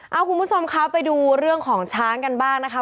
เอาคุณผู้ชมคะไปดูเรื่องของช้างกันบ้างนะคะ